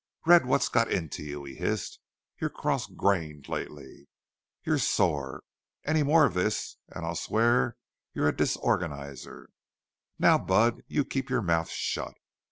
"Red, what's got into you?" he hissed. "You're cross grained lately. You're sore. Any more of this and I'll swear you're a disorganizer.... Now, Budd, you keep your mouth shut.